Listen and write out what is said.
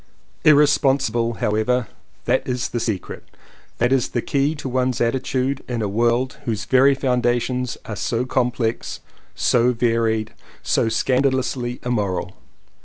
Irresponsible however — that is the secret, that is the key to one's atti tude in a world whose very foundations are so complex, so varied, so scandalously im moral.